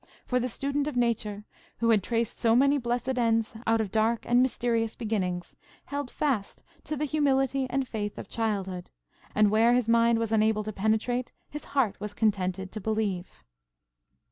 For the Student of Nature who had traced so many blessed ends out of dark and mysterious beginnings, held fast to the humility and faith of childhood; and where his mind was unable to penetrate, his heart was contented to believe.